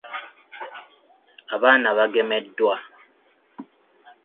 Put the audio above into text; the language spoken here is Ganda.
Abaana bagemeddwa.